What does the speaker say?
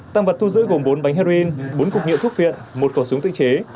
tăng vật thu giữ gồm bốn bánh heroin bốn cục nhiệm thuốc phiện một cỏ súng tự chế